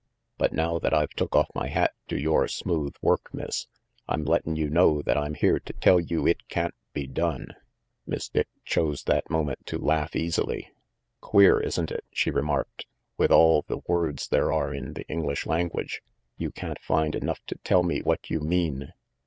But now that I've took off my hat to yore smooth work, Miss, I'm lettin' you know that I'm here to tell you it can't be done." Miss Dick chose that moment to laugh easily. "Queer, isn't it," she remarked, "with all the words there are in the English language, you can't find enough to tell me what you mean."